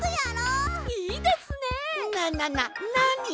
ななななに！？